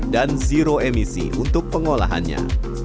dan zero emisi untuk pengolahannya